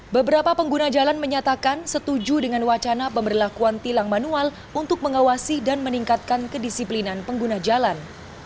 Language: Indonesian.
beberapa pengguna jalan menyatakan setuju dengan wacana pemberlakuan tilang manual untuk mengawasi dan meningkatkan kedisiplinan pengguna jalan